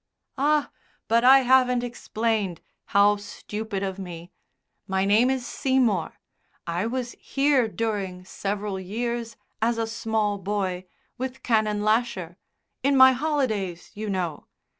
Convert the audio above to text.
"Ah, but I haven't explained; how stupid of me! My name is Seymour. I was here during several years, as a small boy, with Canon Lasher in my holidays, you know.